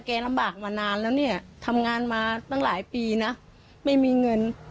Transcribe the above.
ลำบากมานานแล้วเนี่ยทำงานมาตั้งหลายปีนะไม่มีเงิน